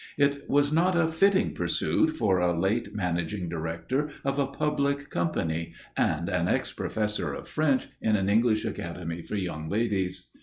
It was not a fitting pursuit for a late managing director of a public company and an ex Professor of French in an English Academy for Young Ladies.